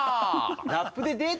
ラップでデート？